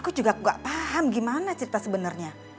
aku juga gak paham gimana cerita sebenarnya